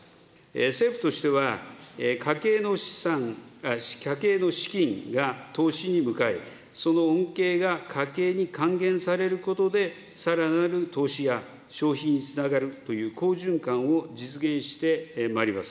政府としては、家計の資金が投資に向かえば、その恩恵が家計に還元されることでさらなる投資や消費につながるという好循環を実現してまいります。